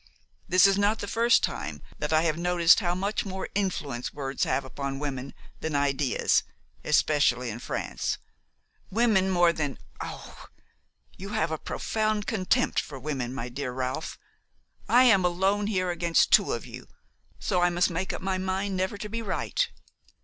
This is not the first time that I have noticed how much more influence words have upon women than ideas, especially in France. Women more than–" "Oh! you have a profound contempt for women, my dear Ralph. I am alone here against two of you, so I must make up my mind never to be right."